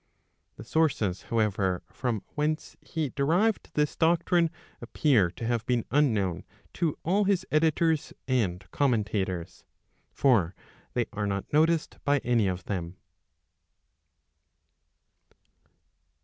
The sources however from whence he derived this doctrine, appear to have been unknown to all his editors and commentators; for they are not noticed by any of them.